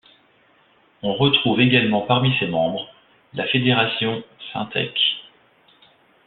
On retrouve également parmi ses membres, la fédération Syntec.